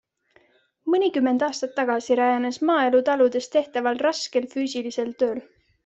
Mõnikümmend aastat tagasi rajanes maaelu taludes tehtaval raskel füüsilisel tööl.